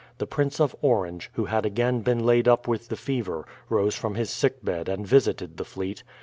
The Prince of Orange, who had again been laid up with the fever, rose from his sickbed and visited the fleet.